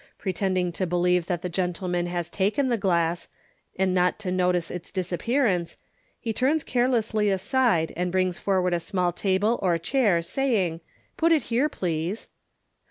Pretending to believe that the gentleman has taken the glass, and not to notice its disappearance, he turns carelessly aside, and brings forward a small table or chair, saying, " Put it here, please."